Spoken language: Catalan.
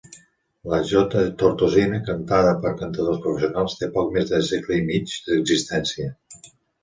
La jota tortosina cantada per cantadors professionals té poc més de segle i mig d'existència.